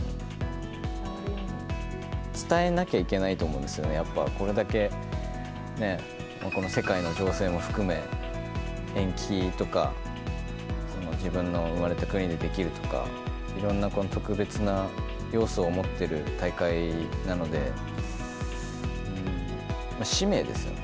伝えなきゃいけないと思うんですよね、やっぱ、これだけこの世界の情勢も含め、延期とか、自分の生まれた国でできるとか、いろんな特別な要素を持ってる大会なので、使命ですよね。